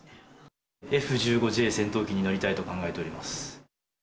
Ｊ戦闘機に乗りたいと考えております。